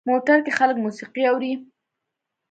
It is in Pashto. موټر کې خلک موسیقي اوري.